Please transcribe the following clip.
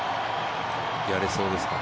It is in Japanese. やれそうですか。